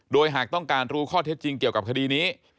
โดยหากต้องการรู้ข้อเท็จจริงเกี่ยวกับคดีนี้